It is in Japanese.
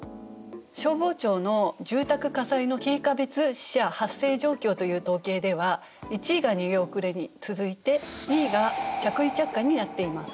消防庁の住宅火災の経過別死者発生状況という統計では１位が「逃げ遅れ」に続いて２位が「着衣着火」になっています。